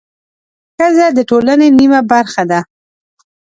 ښځه د ټولنې نیمه برخه ده